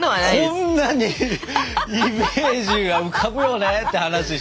こんなに「イメージが浮かぶよね」って話して。